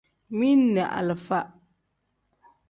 Mili ni alifa.